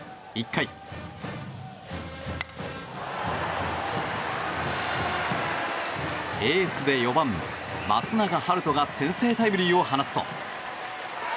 １回、エースで４番松永陽登が先制タイムリーを放つと。